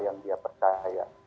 yang dia percaya